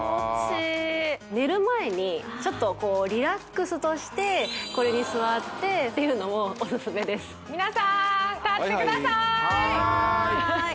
寝る前にちょっとこうリラックスとしてこれに座ってっていうのもオススメですみなさん立ってください